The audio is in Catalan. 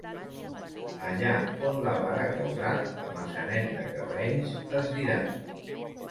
Allà on la vara caurà, Maçanet de Cabrenys es dirà.